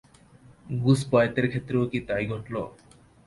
Goose পয়েতের ক্ষেত্রেও কি তাই ঘটল?